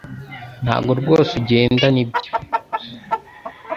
Ntabwo rwose ugenda nibyo